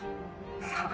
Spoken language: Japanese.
さあ？